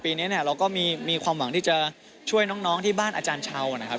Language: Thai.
ปีนี้เนี่ยเราก็มีความหวังที่จะช่วยน้องที่บ้านอาจารย์เช้านะครับ